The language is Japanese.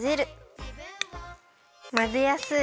まぜやすい！